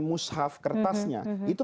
mushaf kertasnya itu